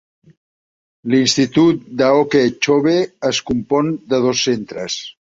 L'institut d'Okeechobee es compon de dos centres.